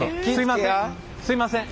すいません。